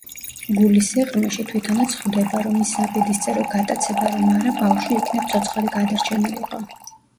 გულის სიღრმეში, თვითონაც ხვდება, რომ ის საბედისწერო გატაცება რომ არა, ბავშვი იქნებ ცოცხალი გადარჩენილიყო.